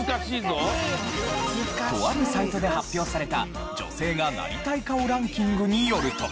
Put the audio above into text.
とあるサイトで発表された女性がなりたい顔ランキングによると。